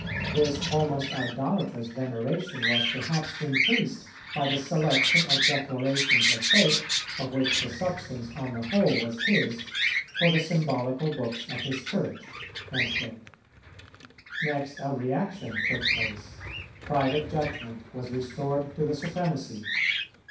This almost idolatrous veneration was perhaps increased by the selection of declarations of faith, of which the substance on the whole was his, for the symbolical books of his Church."[193:1] Next a reaction took place; private judgment was restored to the supremacy.